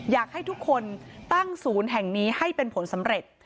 อยากให้ทุกคนตั้งศูนย์แห่งนี้ให้เป็นผลสำเร็จ